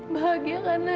bahagia karena dia